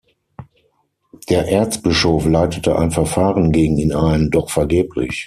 Der Erzbischof leitete ein Verfahren gegen ihn ein, doch vergeblich.